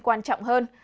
quan trọng hơn